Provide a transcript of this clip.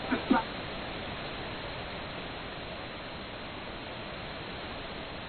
The city of Oneonta operates two major municipal parks, Neahwa Park and Wilber Park.